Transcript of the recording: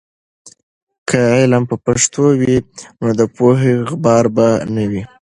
که علم په پښتو وي، نو د پوهې غبار به نه وي.